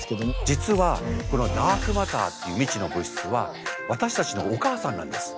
実はこのダークマターっていう未知の物質は私たちのお母さんなんです。